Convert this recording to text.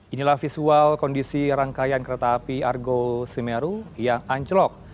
inilah visual kondisi rangkaian kereta api argo semeru yang anjlok